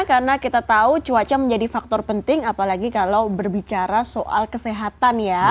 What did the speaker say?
karena kita tahu cuaca menjadi faktor penting apalagi kalau berbicara soal kesehatan